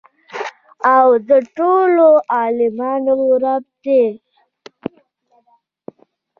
او د ټولو عالميانو رب دى.